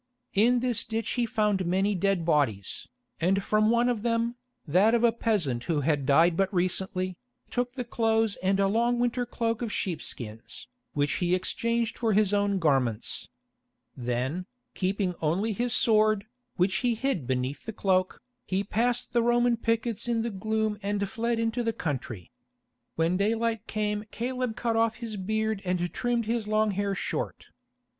In this ditch he found many dead bodies, and from one of them, that of a peasant who had died but recently, took the clothes and a long winter cloak of sheepskins, which he exchanged for his own garments. Then, keeping only his sword, which he hid beneath the cloak, he passed the Roman pickets in the gloom and fled into the country. When daylight came Caleb cut off his beard and trimmed his long hair short.